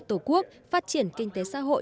tổ quốc phát triển kinh tế xã hội